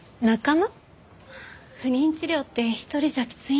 不妊治療って一人じゃきついんですよ。